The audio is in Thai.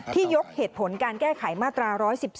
ยกเหตุผลการแก้ไขมาตรา๑๑๒